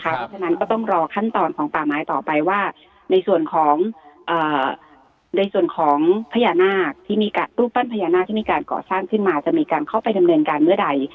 เพราะฉะนั้นก็ต้องรอขั้นตอนของป่าไม้ต่อไปว่าในส่วนของในส่วนของพญานาคที่มีรูปปั้นพญานาคที่มีการก่อสร้างขึ้นมาจะมีการเข้าไปดำเนินการเมื่อใด